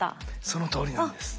そのとおりなんです。